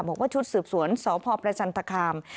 บอกว่าชุดสืบสวนสพประจันตคาม